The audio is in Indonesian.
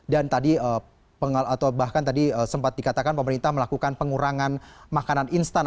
dan tadi sempat dikatakan pemerintah melakukan pengurangan makanan instan